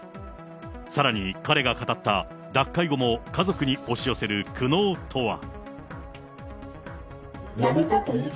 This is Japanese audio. さらに彼が語った脱会後も家族に押し寄せる苦悩とは。